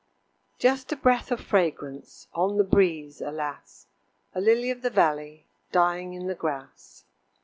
Just a breath of fragrance On the breeze alas! A lily of the valley Dying in the grass.